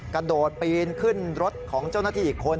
กระโดดปีนขึ้นรถของเจ้าหน้าที่อีกคน